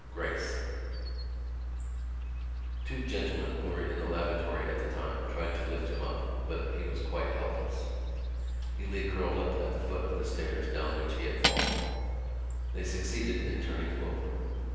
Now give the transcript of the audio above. GRACE Two gentlemen who were in the lavatory at the time tried to lift him up: but he was quite helpless. He lay curled up at the foot of the stairs down which he had fallen. They succeeded in turning him over.